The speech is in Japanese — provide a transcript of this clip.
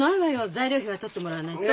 材料費はとってもらわないと。